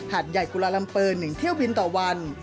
ใหญ่กุลาลัมเปอร์๑เที่ยวบินต่อวัน